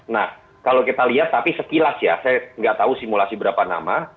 nah kalau kita lihat tapi sekilas ya saya nggak tahu simulasi berapa nama